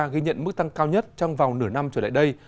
ghi nhận mức tăng cao nhất trong vòng nửa năm trở lại đây